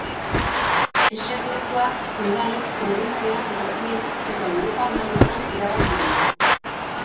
Eserlekuak udal, probintzia, nazio eta europar mailetan irabazi ditu.